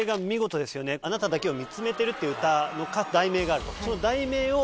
『あなただけ見つめてる』っていう歌の題名があると。